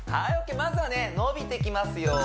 まずはね伸びていきますよ